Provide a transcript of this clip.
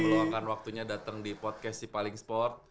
selamat datang di podcast sipaling sport